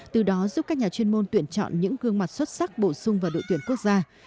từ đó giúp các nhà chuyên môn tuyển chọn những gương mặt xuất sắc bổ sung vào đội tuyển quốc gia